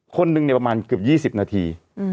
คนหนึ่งประมาณเกือบ๒๐นาที